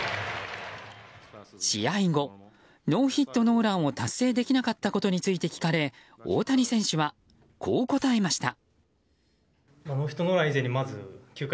試合後、ノーヒットノーランを達成できなかったことについて聞かれ大谷選手はこう答えました。